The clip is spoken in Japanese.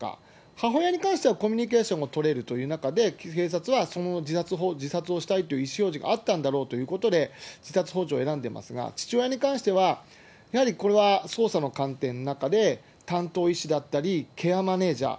母親に関してはコミュニケーションを取れるという中で、警察はその自殺をしたいという意思表示があったんだろうということで自殺ほう助を選んでますが、父親に関しては、やはりこれは捜査の観点の中で、担当医師だったりケアマネージャー。